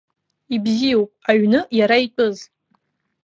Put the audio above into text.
Ибзиоуп, аҩны иара итәыз.